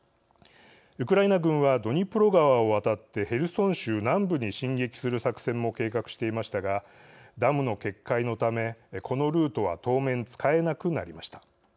ウクライナ軍はドニプロ川を渡ってヘルソン州南部に進撃する作戦も計画していましたがダムの決壊のためこのルートは当面使えなくなりました。